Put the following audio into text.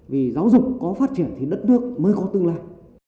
vì giáo dục có phát triển thì đất nước mới có tương lai